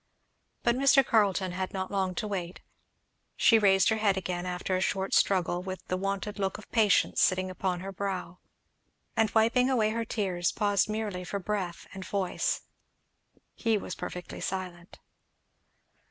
But Mr. Carleton had not long to wait. She raised her head again after a short struggle, with the wonted look of patience sitting upon her brow, and wiping away her tears paused merely for breath and voice. He was perfectly silent.